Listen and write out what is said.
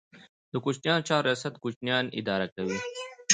د کوچیانو چارو ریاست کوچیان اداره کوي